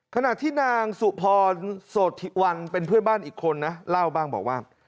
ขณะที่นางสุพรโสธิวันเป็นเพื่อนบ้านอีกคนนะเล่าบ้างบอกว่า